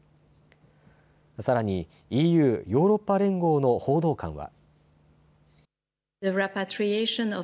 さらにＥＵ・ヨーロッパ連合の報道官は。